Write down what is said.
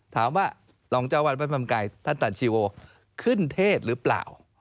รองเจ้าวัดพระธรรมกายท่านตัดชีโวขึ้นเทศหรือเปล่า